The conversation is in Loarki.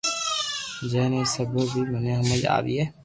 جي تو سھيي ھي مني ھمج آوي